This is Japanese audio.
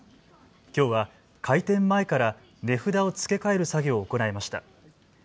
きょうは開店前から値札を付け替える作業を行いました。